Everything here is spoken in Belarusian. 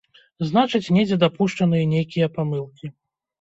Значыць, недзе дапушчаныя нейкія памылкі.